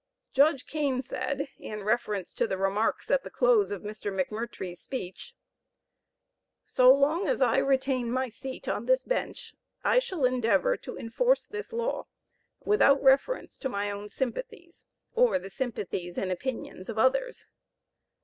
Judge Kane said, in reference to the remarks at the close of Mr. McMurtrie's speech: So long as I retain my seat on this bench, I shall endeavor to enforce this law without reference to my own sympathies, or the sympathies and opinions of others.